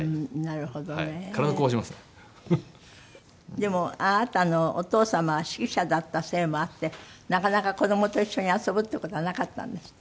でもあなたのお父様は指揮者だったせいもあってなかなか子供と一緒に遊ぶっていう事はなかったんですって？